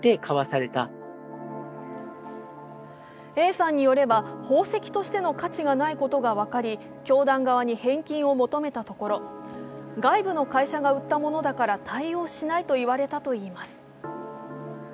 Ａさんによれば宝石としての価値がないことが分かり教団側に返金を求めたところ、外部の会社が売ったものだから対応しないと言われたといいます。